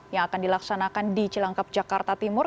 yang akan dilaksanakan di cilangkap jakarta timur